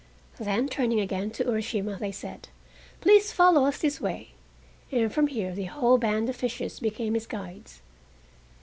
Then, turning again to Urashima, they said, "Please follow us this way," and from here the whole band of fishes became his guides.